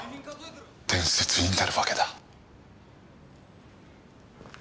伝説になるわけだ。